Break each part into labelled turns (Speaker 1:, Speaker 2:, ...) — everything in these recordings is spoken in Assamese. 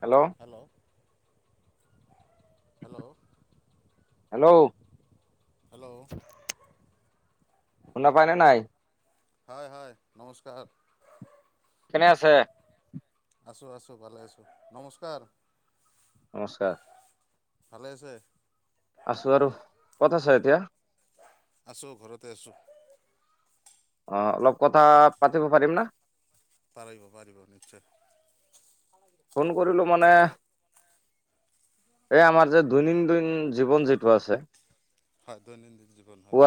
Speaker 1: হেল্ল'।
Speaker 2: হেল্ল'।
Speaker 1: হেল্ল'।
Speaker 2: হেল্ল'।
Speaker 1: শুনাপায়নে নাই?
Speaker 2: হয় হয় নমস্কাৰ।
Speaker 1: কেনে আছে?
Speaker 2: আছো, আছো ভালে আছো, নমস্কাৰ।
Speaker 1: নমস্কাৰ।
Speaker 2: ভালে আছে।
Speaker 1: আছো আৰু কত আছে এতিয়া।
Speaker 2: আছো ঘৰতে আছো।
Speaker 1: অ', অলপ কথা পাতিব পাৰিম না।
Speaker 2: পাৰিব পাৰিব নিশ্চয়।
Speaker 1: ফোন কৰিলোঁ মানে এ, আমাৰ যে দৈনিন্দিন জীৱন যিটো আছে
Speaker 2: হয় দৈনন্দিন জীৱন হয়।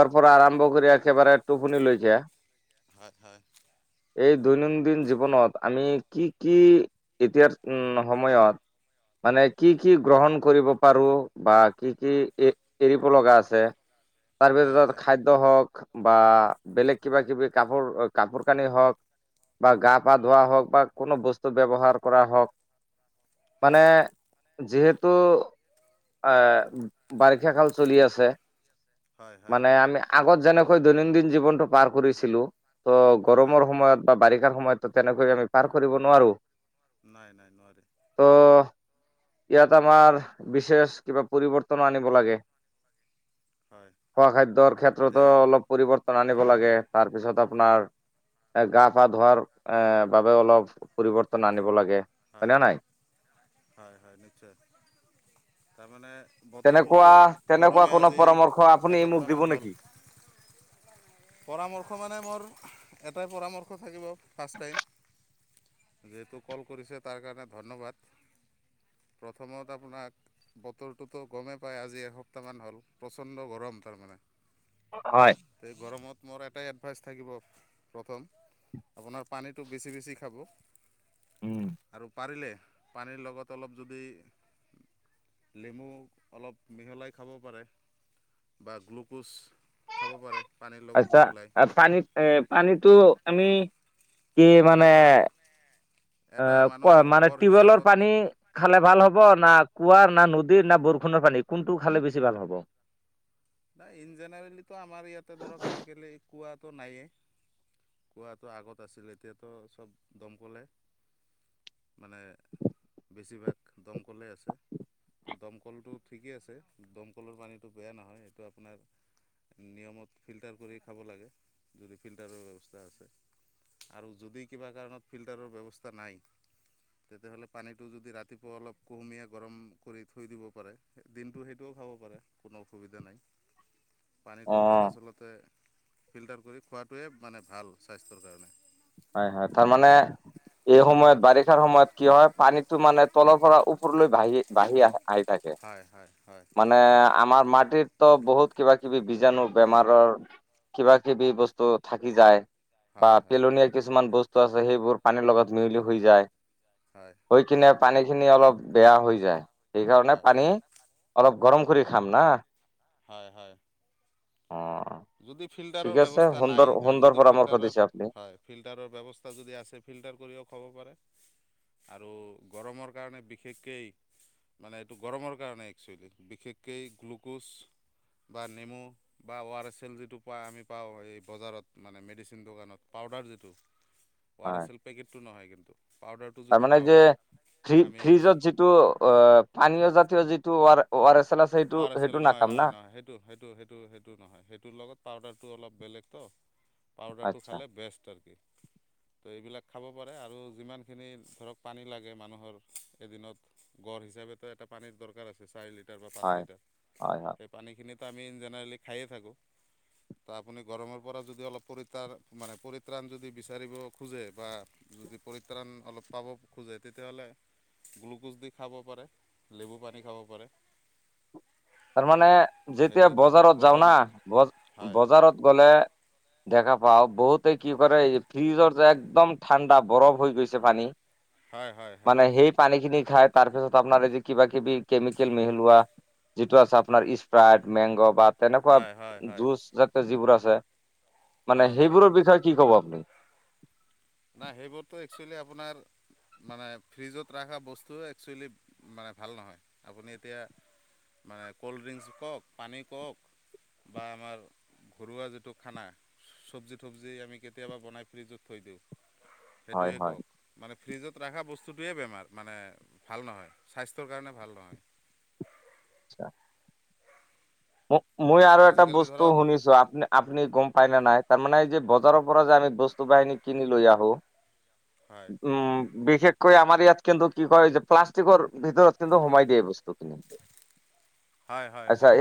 Speaker 1: পুখুৰী আ, একেবাৰে টোপুনি লৈজা।
Speaker 2: হয় হয়।
Speaker 1: এই দৈনন্দিন জীৱনত আমি কি কি এতিয়াৰ সময়ত মানে কি কি গ্ৰহণ কৰিব পাৰোঁ বা কি কি এ, এৰিব লগা আছে? তাৰ ভিতৰত
Speaker 2: হয়
Speaker 1: খাদ্য হওক বা বেলেগ কিবা কিবি কাপো-কাপোৰ কানি হওক। বা গা পা ধোৱা হওক বা কোনো বস্তু ব্যৱহাৰ কৰা হওক,
Speaker 2: হয়
Speaker 1: মানে যিহেতু এ, বাৰিষা কাল চলি আছে।
Speaker 2: হয় হয় হয়
Speaker 1: মানে আমি আগত যেনেকৈ দৈনন্দিন জীৱনটো পাৰ কৰিছিলোঁ। ত'
Speaker 2: হয়
Speaker 1: গৰমৰ সময়ত বা বাৰিষাৰ সময়ততো তেনেকৈ আমি পাৰ কৰিব নোৱাৰোঁ।
Speaker 2: নাই নাই নোৱাৰোঁ।
Speaker 1: ইয়াত আমাৰ বিশেষ কিবা পৰিৱৰ্তন আনিব লাগে।
Speaker 2: হয়
Speaker 1: খোৱা খাদ্যৰ ক্ষেত্ৰতো
Speaker 2: এতিয়া
Speaker 1: অলপ পৰিৱৰ্তন আনিব
Speaker 2: হয়
Speaker 1: লাগে,
Speaker 2: হয়
Speaker 1: তাৰপিছত আপোনাৰ এ, গা পা ধোৱাৰ এ, বাবে অলপ পৰিৱৰ্তন আনিব লাগে। হয়নে
Speaker 2: হয়,
Speaker 1: নাই
Speaker 2: হয় হয় নিশ্চয়। তাৰমানে
Speaker 1: তেনেকুৱা
Speaker 2: বতৰটোতো
Speaker 1: তেনেকুৱা
Speaker 2: গৰমে
Speaker 1: কোনো
Speaker 2: আজি
Speaker 1: পৰামৰ্শ আপুনি মোক
Speaker 2: এসপ্তাহমান
Speaker 1: দিব
Speaker 2: হ'ল
Speaker 1: নেকি?
Speaker 2: পৰামৰ্শ মানে মোৰ এটাই পৰামৰ্শ থাকিব ফাৰ্ষ্ট টাইম যিহেতু কল কৰিছে তাৰ কাৰণে ধন্যবাদ। প্ৰথমত আপোনাক বতৰটোতো গমে পায় আজি এসপ্তাহমান হ'ল প্ৰচণ্ড গৰম তাৰমানে।
Speaker 1: হয়
Speaker 2: এই গৰমত মোৰ এটাই এডভাইচ থাকিব প্ৰথম আপোনাৰ পানীটো বেছি বেছি খাব।
Speaker 1: উম
Speaker 2: আৰু পাৰিলে পানীৰ লগত অলপ যদি লেমু অলপ মিহলাই খাব পাৰে বা গ্লুক'জ খাব পাৰে পানীৰ লগত
Speaker 1: আচ্ছা।
Speaker 2: মিহলাই
Speaker 1: আ, পানী এ, পানীটো আমি কি
Speaker 2: এনে
Speaker 1: মানে
Speaker 2: ধৰক এটা
Speaker 1: অ' ক
Speaker 2: মানুহৰ
Speaker 1: মানে
Speaker 2: গড়
Speaker 1: টিউবেলৰ
Speaker 2: হিচাপত
Speaker 1: পানী খালে ভাল হ'ব ব না কুঁৱা না নদীৰ না বৰষুণৰ পানী কোনটো খালে বেছি ভাল হ'ব?
Speaker 2: না ইন জেনেৰেলিতো আমাৰ ইয়াতে ধৰক আজিকালি কোৱাটো নায়েই। কোৱাটো আগত আছিলে এতিয়াতো চব দমকলে। মানে বেছিভাগ দমকললেই আছে, ত' দমকলটো ঠিকেই আছে, দমকলৰ পানীটো বেয়া নহয়। টো আপোনাৰ নিয়মত ফিল্টাৰ কৰি খাব লাগে যদি ফিল্টাৰৰ ব্যৱস্থা আছে। আৰু যদি কিবা কাৰণত ফিল্টাৰৰ ব্যৱস্থা নাই তেতিয়াহ'লে পানীটো যদি ৰাতিপুৱা অলপ কুহুমীয়া গৰম কৰি থৈ দিব পাৰে, দিনটো সেইটো খাব পাৰে কোনো অসুবিধা নাই।
Speaker 1: অ
Speaker 2: পানীটো দৰাচলতে ফিল্টাৰ কৰি খোৱাটোৱে মানে ভাল স্বাস্থ্যৰ কাৰণে।
Speaker 1: হয় হয় তাৰমানে এই সময়ত বাৰিষাৰ সময়ত কি হয় পানীটো মানে তলত উপৰা-ওপৰলৈ বাহি বাহি আহ আহি থাকে,
Speaker 2: হয় হয় হয়
Speaker 1: মানে আমাৰ মাট টিত তো বহুত কিবা কিবি বীজাণু, বেমাৰৰ কিবা কিবি বস্তু থাকি যায়। বা
Speaker 2: হয় হয়
Speaker 1: পেলনীয়া কিছুমান বস্তু আছে সেইবোৰ পানীৰ লগত মিহলি হৈ যায়।
Speaker 2: হয়
Speaker 1: হৈ কিনে পানীখিনি অলপ বেয়া হৈ যায়। সেইকাৰণে পানী অলপ গৰম কৰি খাম না।
Speaker 2: হয়, হয়।
Speaker 1: অ
Speaker 2: যদি
Speaker 1: ঠিক
Speaker 2: ফিল্টাৰৰ
Speaker 1: আছে
Speaker 2: ব্যৱস্থা
Speaker 1: সুন্দৰ
Speaker 2: নাই আৰু
Speaker 1: সুন্দৰ
Speaker 2: যদি
Speaker 1: পৰামৰ্শ
Speaker 2: ফিল্টাৰৰ,
Speaker 1: দিছে আপুনি
Speaker 2: হয়। ফিল্টাৰৰ ব্যৱস্থা যদি আছে ফিল্টাৰ কৰিও খাব পাৰে। আৰু গৰমৰ কাৰণে বিশেষকেই মানে এইটো গৰমৰ কাৰণে একচুৱেলি, বিশেষকৈ গ্লুক'জ বা নেমু বা ৱাৰেছ চেল যিটো পায় আমি পাওঁ, এই বজাৰত মানে মেডিচিন দোকানত পাউদাৰ যিটো ৱাৰেছৰ পেকেটটো নহয় কিন্তু। পাউদাৰটো
Speaker 1: তাৰ
Speaker 2: যদি
Speaker 1: মানে
Speaker 2: পাওঁ
Speaker 1: যে ফি
Speaker 2: আমি
Speaker 1: ফ্ৰিজত যিটো অ', পানীয় জাতীয় যিটো ৱাৰ ৱাৰেছ
Speaker 2: আৰ নহয়, নহয়, নহয়, সেইটো, সেইটো, সেইটো, সেইটো নহয়, সেইটোৰ লগত পাউদাৰটো অলপ বেলেগতো, পাউদাৰটো
Speaker 1: আচ্ছা
Speaker 2: খালে বেষ্ট আৰু কি
Speaker 1: [inaudible]
Speaker 2: এইবিলাক খাব পাৰে আৰু যিমানখিনি ধৰক পানী লাগে মানুহৰ এদিনত গঢ় হিচাপেতো এটা পানীৰ দৰকাৰ আছে চাৰি লিটাৰ বা পাঁচ
Speaker 1: হয়
Speaker 2: লিটাৰ,
Speaker 1: হয় হয়
Speaker 2: সেই পানীখিনিত আমি জেনেৰেলি খায়ে থাকোঁ। বা আপুনি গৰমৰ পৰা যদি অলপ পৰিত্ৰাণ মানে পৰিত্ৰাণ যদি বিচাৰিব খোজে বা যদি পৰিত্ৰাণ অলপ পাব খোজে তেতিয়াহ'লে গ্লুক'জ দি খাব পাৰে, লেবু পানী খাব পাৰে।
Speaker 1: তাৰমানে
Speaker 2: সেইটো
Speaker 1: যেতিয়া
Speaker 2: থাকিল
Speaker 1: বজাৰত যাওঁ
Speaker 2: প্ৰথম
Speaker 1: না,
Speaker 2: হয়
Speaker 1: বজাৰত গ'লে দেখা বহুতে কি কৰে এই ফ্ৰিজৰ যে একদম ঠাণ্ডা বৰফ হৈ গৈছে পানী
Speaker 2: হয় হয় হয়
Speaker 1: মানে সেই পানীখিনি খায়, তাৰপিছত আপোনাৰ এই যে কিবা কিবি কেমিকেল মিহলোৱা যিটো আছে আপোনাৰ স্প্ৰাইট, মেংগ বা তেনেকুৱা
Speaker 2: হয় হয় হয়
Speaker 1: জুচ যাতে যিবোৰ আছে। মানে
Speaker 2: হয় হয়
Speaker 1: সেইবোৰৰ বিষয়ে কি ক'ব আপুনি?
Speaker 2: নাই, সেইবোৰতো একচুৱেলি আপোনাৰ মানে ফ্ৰিজত ৰখা বস্তু একচুৱেলি মানে ভাল নহয়, আপুনি এতিয়া মানে ক'ল্ড ড্ৰিংকছ খাওঁ, পানী খাওঁক। বা আমাৰ ঘৰুৱা যিটো খানা চবজি তবজি আমি কেতিয়াবা বনাই ফ্ৰিজত থৈ দিওঁ,
Speaker 1: হয়
Speaker 2: সেইটোৱে
Speaker 1: হয়
Speaker 2: কওঁক, মানে ফ্ৰিজত ৰখা বস্তুটোৱেই বেমাৰ, মানে ভাল নহয়, স্বাস্থ্যৰ কাৰণে ভাল নহয়।
Speaker 1: অচ্ছা। মই আৰু এটা
Speaker 2: আজিকালি
Speaker 1: বস্তু
Speaker 2: ধৰক
Speaker 1: শুনিছো, আপ আপুনি গম পাই না নাই, তাৰমানে এই যে বজাৰৰ পৰা যে আমি বস্তু বাহিনী কিনি লৈ আহোঁ।
Speaker 2: হয়
Speaker 1: উম। বিশেষকৈ আমাৰ ইয়াত কিন্তু কি কৰে যে প্লাষ্টিকৰ ভিতৰত কিন্তু সোমাই দিয়ে এই বস্তুখিনি। [inaudible]
Speaker 2: হয়, হয়, হয়।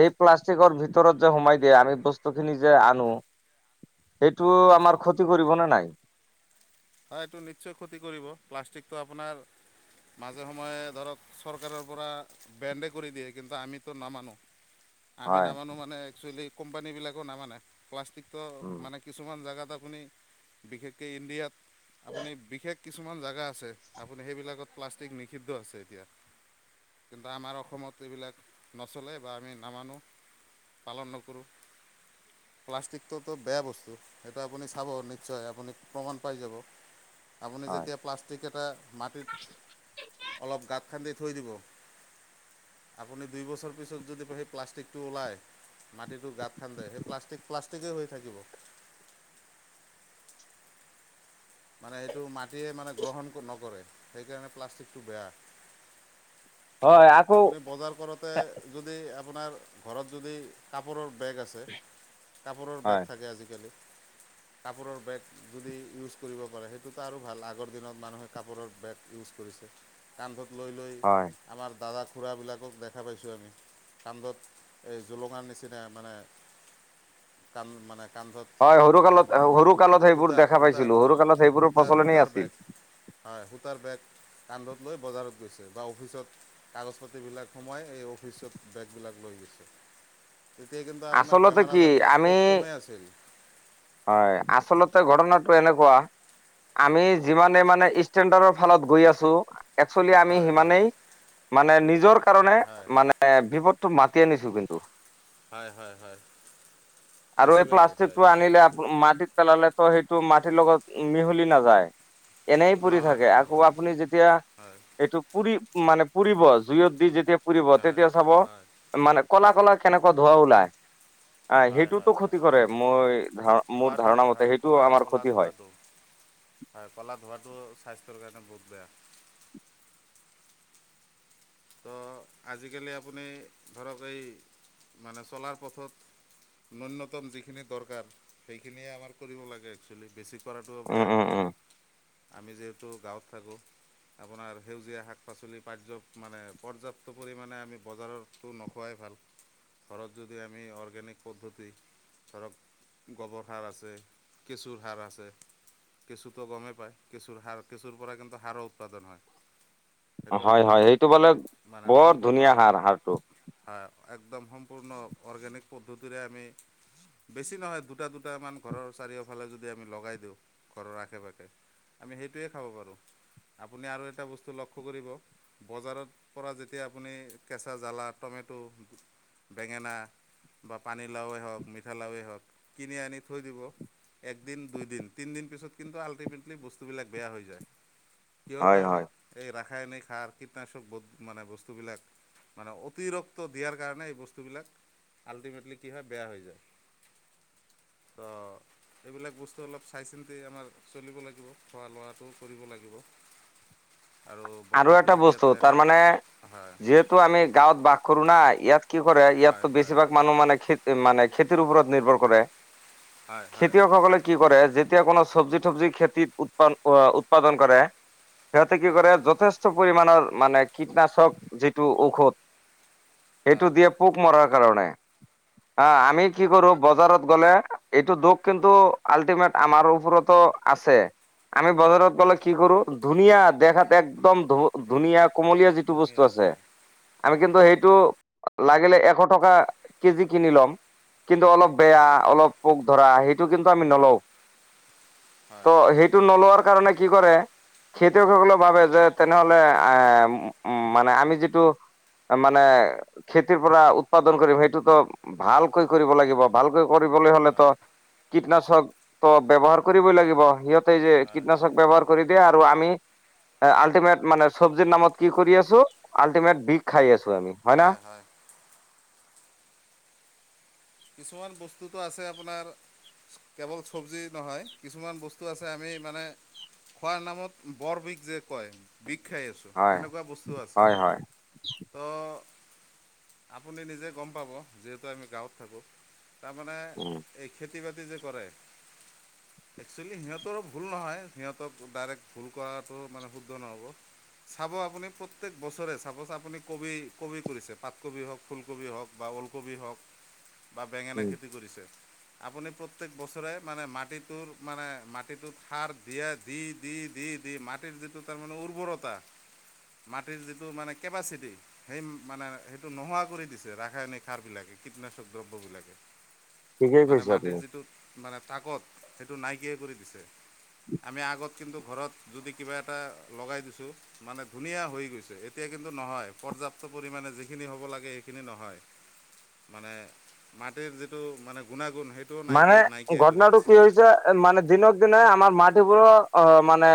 Speaker 1: বেগৰ ভিতৰত যে সোমাই দিয়ে, আমি বস্তু খিনি যে আনো সেইটো
Speaker 2: হয়
Speaker 1: আমাৰ ক্ষতি কৰিব নে নাই?
Speaker 2: হয়, এইটো নিশ্চয় ক্ষতি কৰিব, প্লাষ্টিকটো আপোনাৰ মাজে সময়ে ধৰক চৰকাৰৰ পৰা বেণ্ডএ কৰি দিয়ে, কিন্তু আমিতো নামানো। আমি
Speaker 1: হয়
Speaker 2: নামানো মানে একচুৱেলি কোম্পানীবিলাকেওঁ নামানে, প্লাষ্টিকৰ
Speaker 1: উম,
Speaker 2: মানে কিছুমান জেগাত আপুনি, বিশেষকৈ ইণ্ডিয়াত, আপুনি বিশেষ কিছুমান জেগা আছে, আপুনি সেইবিলাকত প্লাষ্টিক নিষিদ্ধ আছে এতিয়া। কিন্তু আমাৰ অসমত এইবিলাক নচলে বা আমি নামানো। পালন নকৰোঁ। প্লাষ্টিকটোতো বেয়া বস্তু, সেইটো আপুনি চাব নিশ্চয় আপুনি প্ৰমাণ পাই যাব। আপুনি
Speaker 1: হয়,
Speaker 2: যেতিয়া প্লাষ্টিক এটা মাটিত গাত খান্দি থৈ দিব, আপুনি দুই বছৰ পিছত যদি সেই প্লাষ্টিকটো ওলাই মাটিটো গাঁত খান্দে সেই প্লাষ্টিক প্লাষ্টিকেই হৈ থাকিব।
Speaker 1: [inaudible]
Speaker 2: মানে সেইটো মাটিয়ে মানে গ্ৰহণ নকৰে, সেইকাৰণে প্লাষ্টিকটো বেয়া।
Speaker 1: [inaudible] আকৌ
Speaker 2: আপুনি বজাৰ কৰোতে যদি আপোনাৰ ঘৰত যদি কাপোৰৰ বেগ আছে, কাপোৰৰ
Speaker 1: হয়,
Speaker 2: বেগ থাকে আজিকালি।
Speaker 1: [inaudible]
Speaker 2: কাপোৰৰ বেগ যদি ইউজ কৰিব পাৰে সেইটোতো আৰু ভাল আগৰ দিনত মানুহে কাপোৰৰ বেগ ইউজ কৰি কান্ধত লৈ লৈ
Speaker 1: হয়।
Speaker 2: আমাৰ দাদা খুৰাবিলাকক দেখা পাইছোঁ আমি। কান্ধত এই জোলঙাৰ নিচিনা মানে, কান মানে কান্ধত
Speaker 1: হয় সৰু
Speaker 2: মানে
Speaker 1: কালত সৰু কালত সেইবোৰ
Speaker 2: সূতাৰ
Speaker 1: দেখা
Speaker 2: সূতাৰ
Speaker 1: পাইছিলো, সৰু কালত সেইবোৰৰ
Speaker 2: সূতাৰ
Speaker 1: প্ৰচলনেই
Speaker 2: সূতাৰ বেগ
Speaker 1: আছিল।
Speaker 2: হয় সূতাৰ বেগ কান্ধত লৈ বজাৰত গৈছিল বা অফিচত কাগজ পাতিবিলাক সোমাই এই অফিচত বেগবিলাক লৈ গৈছিল। তেতিয়া কিন্তু আপোনাৰ
Speaker 1: আচলতে
Speaker 2: বেমাৰ
Speaker 1: কি
Speaker 2: আজাৰ বিলাক
Speaker 1: আমি
Speaker 2: খুব কমেই আছিল।
Speaker 1: হয় আচলতে ঘটনাটো এনেকুৱা আমি যিমানে মানে ষ্টেণ্ডাৰ্ডৰ ফালত গৈ আছো, একচুৱেলি আমি
Speaker 2: হয় হয়
Speaker 1: সিমানেই মানে নিজৰ কাৰণে
Speaker 2: হয়
Speaker 1: মানে বিপদটো মাত তি আনিছো কিন্তু।
Speaker 2: হয় হয় হয়
Speaker 1: আৰু এই
Speaker 2: বেছিভাগেই হয়।
Speaker 1: প্লাষ্টিকটো আনিলে মাটিত পেলালেতো সেইটো মাটিৰ লগত মিহলি নাযায়। এনেই পৰি
Speaker 2: নহয়
Speaker 1: থাকে,
Speaker 2: নহয়
Speaker 1: আকৌ
Speaker 2: নহয়
Speaker 1: আপুনি যেতিয়া
Speaker 2: হয়
Speaker 1: এইটো পুৰি মানে পুৰিব, জুইয়ত দি যেতিয়া পুৰিব তেতিয়া চাব
Speaker 2: হয় হয়
Speaker 1: মানে কলা-কলা কেনেকুৱা ধোৱা ওলাই, আহ
Speaker 2: হয়
Speaker 1: সেইটোতো
Speaker 2: হয়
Speaker 1: ক্ষতি
Speaker 2: হয়
Speaker 1: কৰে মই ধ
Speaker 2: ধোঁৱাটো হয় ক'লা-ক'লা ধোৱাটো হয়, ক'লা ধোঁৱটো স্বাস্থ্যৰ কাৰণে বহুত বেয়া। তো আজিকালি আপুনি ধৰক এই মানে চলাৰ পথত ন্যনতম যিখিনি দৰকাৰ সেইখিনিয়ে আমাৰ কৰিব লাগে এচুয়েলি, বেছি কৰাটো
Speaker 1: উম
Speaker 2: বেয়া।
Speaker 1: উম উম
Speaker 2: আমি যিহেতু গাঁৱত থাকোঁ আপোনাৰ সেউজীয়া শাক-পাচলি পায মানে পৰ্যাপ্ত পৰিমাণে আমি বজাৰতো নোখোৱাই ভাল। ঘৰত যদি আমি অৰ্গেনিক পদ্ধতি ধৰক গোবৰ সাৰ আছে, কেঁচুৰ সাৰ আছে, কেঁচুটো গমেই পায়, কেঁচুৰ সাৰ, কেঁচুৰ পৰা কিন্তু সাৰ উৎপাদন হয়, সেইটো
Speaker 1: হয়
Speaker 2: আপুনি
Speaker 1: হয় সেইটো
Speaker 2: মানে
Speaker 1: বৰ
Speaker 2: সম্পূৰ্ণ
Speaker 1: ধুনীয়া সাৰ সাৰটো।
Speaker 2: হয় একদম সম্পূৰ্ণ অৰ্গেনিক পদ্ধতিৰে আমি বেছি নহয় দুটা দুটামান ঘৰৰ চাৰিওফালে যদি আমি লগাই দিওঁ ঘৰৰ আশে-পাশে আমি সেইটোৱে খাব পাৰোঁ, আপুনি আৰু এটা বস্তু লক্ষ্য কৰিব বজাৰৰ পৰা যেতিয়া আপুনি কেঁচা জ্বালা, টমেটো, বেঙেনা, বা পানীলাওেই হওক, মিঠা লাওেই হওক কিনি আনি থৈ দিব একদিন দুইদিন তিনদিন পিছত কিন্তু আল্টিমেটলি বস্তুবিলাক বেয়া হৈ যায়। কিহৰ
Speaker 1: হয়
Speaker 2: কাৰণে?
Speaker 1: হয়
Speaker 2: এই ৰাসায়নিক সাৰ কীটনাশক মানে বস্তুবিলাক মানে অতিৰক্ত দিয়াৰ কাৰণে এই বস্তুবিলাক আল্টিমেটলি কি হয় বেয়া হৈ যায়। তো
Speaker 1: [unintelligible]
Speaker 2: এইবিলাক বস্তু অলপ চাই-চিন্তি আমাৰ চলিব লাগিব, খোৱা লোৱাটো কৰিব লাগিব।
Speaker 1: [inaudible]
Speaker 2: আৰু বতৰটো
Speaker 1: বস্তু
Speaker 2: এতিয়াতো
Speaker 1: তাৰ
Speaker 2: এনে
Speaker 1: মানে
Speaker 2: হয়
Speaker 1: যিহেতু আমি গাঁৱত বাস কৰো না ইয়াত কি কৰে ইয়াতো
Speaker 2: হয় হয়
Speaker 1: বেছিভাগ মানুহ মানে খে মানে খেতিৰ ওপৰত নিৰ্ভৰ কৰে।
Speaker 2: হয় হয়
Speaker 1: খেতিয়কসকলে কি কৰে যে যেতিয়া কোনো চবজি থবজি খেতিত উৎপা-উৎপাদন কৰে, সিহঁতে কি কৰে
Speaker 2: হয়
Speaker 1: পৰিণৰ মানে কীটনাশক যিটো ঔষধ সেইটো
Speaker 2: হয়
Speaker 1: দিয়ে পোক মৰাৰ কাৰণে, আ,
Speaker 2: হয়
Speaker 1: আমি
Speaker 2: হয়
Speaker 1: কি কৰোঁ বজাৰত গ'লে এইটো দুখ কিন্তু আল্টিমেট আমাৰ ওপৰতো আছে। আমি বজাৰত গলে
Speaker 2: হয়
Speaker 1: কি কৰোঁ ধুনীয়া দেখাত একদম ধ-ধুনীয়া কোমলীয়া যিটো বস্তু
Speaker 2: ধুনীয়া
Speaker 1: আছে
Speaker 2: হয়
Speaker 1: আমি
Speaker 2: হয়
Speaker 1: কিন্তু
Speaker 2: হয়
Speaker 1: সেইটো লাগিলে এশ টকা কেজি কিনি ল'ম কিন্তু অলপ বেয়া,
Speaker 2: হয়
Speaker 1: অলপ পোক ধৰা হেই টো কিন্তু আমি নলওঁ
Speaker 2: হয়
Speaker 1: ত' সেইটো নলোৱাৰ কাৰণে কি কৰে, খেতিয়কসকলে ভাবে যে তেনেহ'লে আ, উ, মানে আমি যিটো মানে খেতিৰ পৰা উৎপাদন কৰিম সেইটোতো
Speaker 2: হয় হয়
Speaker 1: ভালকৈ কৰিব লাগিব, ভালকৈ কৰিবলৈ হ'লেতো
Speaker 2: হয়
Speaker 1: কীটনাশক ত' ব্যৱহাৰ কৰিবই লাগিব, সিহঁতে যে
Speaker 2: হয়
Speaker 1: কীটনাশক ব্যৱহাৰ কৰি দিয়ে আৰু আমি আল হেমেট মানে চবজিৰ নামত কি কৰি আছোঁ আল্টিমেট বিষ খাই আছোঁ। ছোঁ আমি হয় না?
Speaker 2: কিছুমান বস্তুটো আছে আপোনাৰ কেৱল চবজী নহয় কিছুমান বস্তু আছে আমি মানে খোৱাৰ নামত বৰ বিষ যে কয় বিষ খাই আছোঁ,
Speaker 1: হয়
Speaker 2: এনেকুৱা বস্তু আছে।
Speaker 1: হয় হয়
Speaker 2: ত আপুনি নিজে গম পাব যিহেতু আমি গাঁৱত থাকোঁ। তাৰমানে
Speaker 1: উম
Speaker 2: এই খেতি বাতি যে কৰে একচলি সিহঁতৰো ভুল নহয়, সিহঁতক ডাইৰেক ভুল কৰাটো মানে শুদ্ধ নহ'ব। চাব আপুনি প্ৰত্যেক বছৰে চাপজ আপুনি কবি কবি কৰিছে পাতকবি হওক, ফুলকবি হওক বা ওলকবি হওক বা বেঙেনা
Speaker 1: উম
Speaker 2: খেতি কৰিছে আপুনি প্ৰত্যেক বছৰে মানে মাটিতোৰ মানে মাটিতুত সাৰ দিয়ে দি দি দি দি দি মাটিৰ যিটো তাৰ মানে উৰ্বৰতা মাটিৰ যিটো মানে কেপাচিটি সেই মানে সেইটো নোহোৱা কৰি দিছে ৰাসায়নিক সাৰবিলাকে। কীটনাশক দ্ৰব্যবিলাকে
Speaker 1: ঠিকেই
Speaker 2: মানে
Speaker 1: কৈছে
Speaker 2: মাটিৰ
Speaker 1: আপুনি
Speaker 2: যিটো মানে তাকত সেইটো নাইকিয়াই কৰি দিছে। আমি আগত কিন্তু ঘৰত যদি কিবা এটা লগাই দিছোঁ মানে ধুনীয়া হৈ গৈছে, এতিয়া কিন্তু নহয় পৰ্যাপ্ত পৰিমাণে যিখিনি হ'ব লাগে সেইখিনি নহয় মানে মাটিৰ যিটো মানে গুণাগুণ সেইটোও
Speaker 1: মানে
Speaker 2: নাইকৈ নাইকিয়া কৰি
Speaker 1: ঘটনাটো কি
Speaker 2: দিছে
Speaker 1: হৈছে মানে দিনক দিনে আমাৰ মাট সেইবোৰ অ' মানে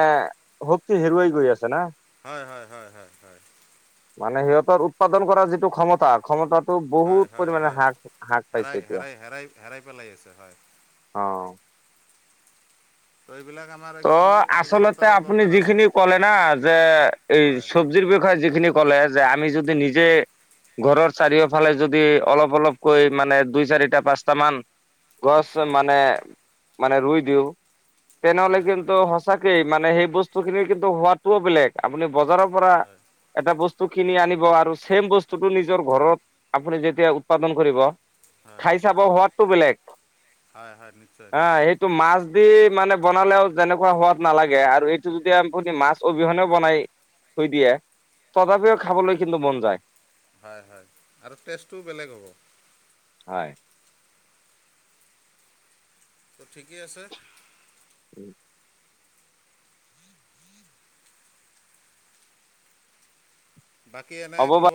Speaker 1: শক্তি হেৰুৱাই গৈ আছে না।
Speaker 2: হয় হয় হয় হয় হয়।
Speaker 1: মানে সিহঁতৰ উৎপাদন কৰা যিটো ক্ষমতা ক্ষমতা
Speaker 2: হয় হয় হয়, হেৰাই
Speaker 1: এতিয়া
Speaker 2: হেৰাই হেৰাই হেৰাই পেলাই আছে হয়।
Speaker 1: অ'।
Speaker 2: তো এইবিলাক আমাৰ
Speaker 1: ত'
Speaker 2: একচুৱেলি
Speaker 1: আচলতে
Speaker 2: সজাগতাৰো
Speaker 1: আপুনি
Speaker 2: দৰকাৰ আছে
Speaker 1: যিখিনি ক'লে না যে এই
Speaker 2: হয়
Speaker 1: চব্জিৰ বিষয়ে যিখিনি কলে যে আমি যদি নিজে
Speaker 2: হয়
Speaker 1: ঘৰৰ চাৰিওফালে যদি অলপ অলপকৈ মানে দুই চাৰিটা, পাঁচটামান গছ
Speaker 2: হয়
Speaker 1: মানে
Speaker 2: হয়
Speaker 1: মানে ৰুই দিওঁ, তেনেহ'লে
Speaker 2: হয় হয়
Speaker 1: কিন্তু সঁচাকে মানে সেই বস্তুখিনি কিন্তু হোৱাটোও বেলেগ, আপুনি বজাৰৰ পৰা
Speaker 2: হয়
Speaker 1: এটা বস্তু টো কিনি আনিব আৰু ছেম বস্তুটো নিজৰ ঘৰত আপুনি যেতিয়া উৎপাদন কৰিব
Speaker 2: হয়
Speaker 1: খাই চাব সোৱাদটোও বেলেগ।
Speaker 2: হয় হয় নিশ্চয়
Speaker 1: হা
Speaker 2: নিশ্চয়।
Speaker 1: সেইটো মাছ দি মানে বনালেওঁ তেনেকুৱা হোৱাদ নালাগে আৰু এইটো যদি আমপুনি মাছ অবিহনেও বনাই থৈ দিয়ে। তথাপিও
Speaker 2: হয়,
Speaker 1: খাবলৈ কিন্তু মন যায়
Speaker 2: হয়, হয়, আৰু টেষ্টটো বেলেগ হ'ব।
Speaker 1: হয়।
Speaker 2: ঠিকেই আছে।
Speaker 1: [inaudible]
Speaker 2: বাকী এনে
Speaker 1: হ'ব বা
Speaker 2: খবৰ